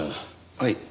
はい。